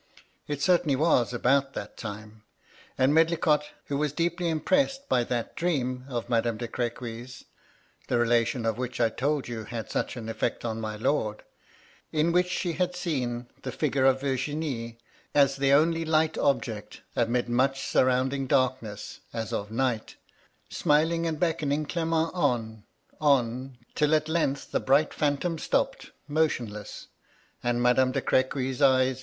It certainly was about that time; and Medlicott — ^who was deeply impressed by that dream of Madame de Crequy's (the relation of which I told you had had such an effect on my lord), in which she had seen the figure of Virginie — as the only light object amid much surrounding darkness as of night, smiling and beckon ing Clement on — on — till at length the bright phantom stopped, motionless, and Madame de Crequy's eyes MY LADY LUDLOW.